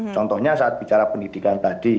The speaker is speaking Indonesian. contohnya saat bicara pendidikan tadi